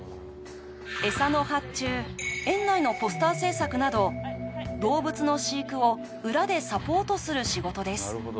エサの発注園内のポスター制作など動物の飼育を裏でサポートする仕事です